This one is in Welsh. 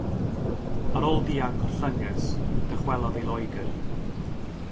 Ar ôl dianc o'r Llynges, dychwelodd i Loegr.